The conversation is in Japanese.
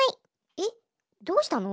えっどうしたの？